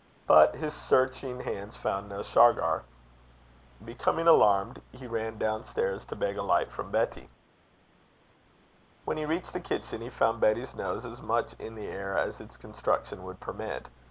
But his searching hands found no Shargar. Becoming alarmed, he ran down stairs to beg a light from Betty. When he reached the kitchen, he found Betty's nose as much in the air as its construction would permit.